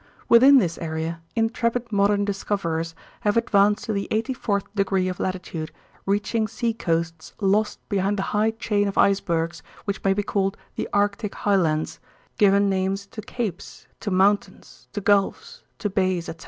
Within this area intrepid modern discoverers have advanced to the 84th degree of latitude, reaching seacoasts lost behind the high chain of icebergs which may be called the Arctic Highlands, given names to capes, to mountains, to gulfs, to bays, etc.